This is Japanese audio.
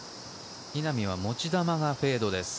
稲見は持ち球がフェードです。